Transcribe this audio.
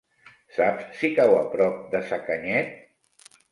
Saps si cau a prop de Sacanyet?